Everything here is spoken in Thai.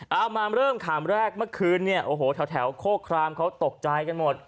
เอามาเริ่มขามแรกเมื่อคืนเนี่ยโอ้โหแถวโคครามเขาตกใจกันหมด